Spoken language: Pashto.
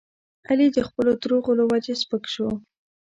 علي د خپلو دروغو له وجې سپک شو.